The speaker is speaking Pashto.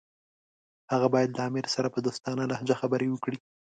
هغه باید له امیر سره په دوستانه لهجه خبرې وکړي.